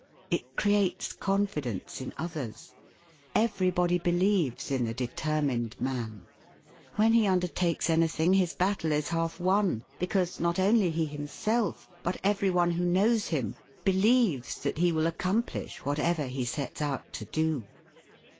It creates confidence in others. Everybody believes in the determined man. When he undertakes anything his battle is half won, because not only he himself, but every one who knows him, believes that he will accomplish whatever he sets out to do.